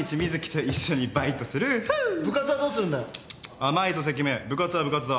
甘いぞ関目部活は部活だ。